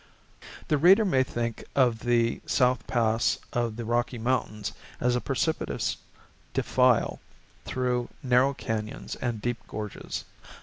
The reader may think of the South Pass of the Rocky Mountains as a precipitous defile through narrow canyons and deep gorges.